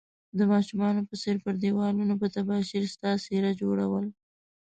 د ماشومانو په څير پر ديوالونو په تباشير ستا څيره جوړول